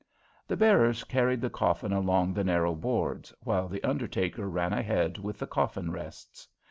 The bearers carried the coffin along the narrow boards, while the undertaker ran ahead with the coffin rests.